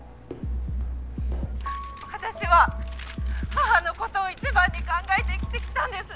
私は母のことを一番に考えて生きてきたんです。